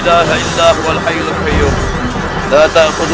duduk a nominated